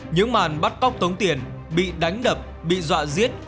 những màn bắt cóc tống tiền bị đánh đập bị dọa giết